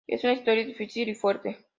Es una historia difícil y fuerte.